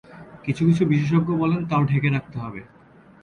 কিছু কিছু বিশেষজ্ঞ বলেন, তাও ঢেকে রাখতে হবে।